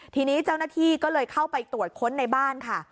ทีนี้เจ้าหน้าที่ก็เลยเข้าไปตรวจค้นในบ้านค่ะ